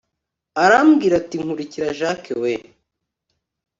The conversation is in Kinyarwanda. arambwira ati nkurikira jack we